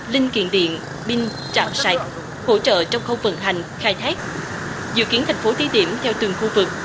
linh kiện điện binh trạm sạch hỗ trợ trong khâu vận hành khai thác dự kiến tp hcm theo từng khu vực